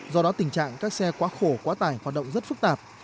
do đó tình trạng các xe quá khổ quá tải hoạt động rất phức tạp